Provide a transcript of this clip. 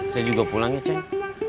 saya juga pulang ya ceng